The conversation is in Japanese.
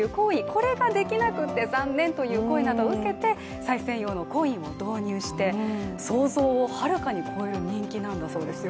これができなくて残念という声などを受けてさい銭用のコインを導入して想像をはるかに超える人気なんだそうですよ。